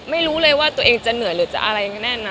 ไม่รู้เลยว่าตัวเองจะเหนื่อยหรือจะอะไรยังไงแน่นอ